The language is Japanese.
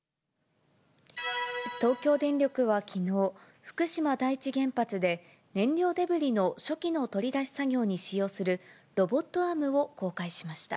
東京電力はきのう、福島第一原発で燃料デブリの初期の取り出し作業に使用するロボットアームを公開しました。